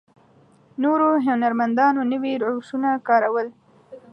نورو هنرمندانو نوي روشونه کارول.